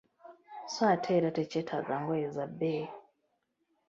So ate era tekyetaaga ngoye za bbeeyi.